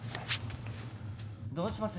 どうします？